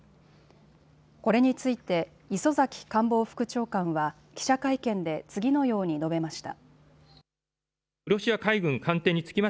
これについて磯崎官房副長官は記者会見で次のように述べました。